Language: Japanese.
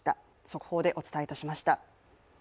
速報でお伝えいたしました。